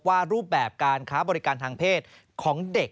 รูปแบบการค้าบริการทางเพศของเด็ก